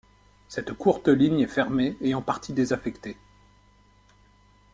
Cette courte ligne est fermée et en partie désaffectée.